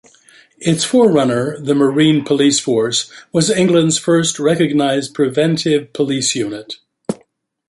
Its forerunner, the Marine Police Force, was England's first recognised preventive police unit.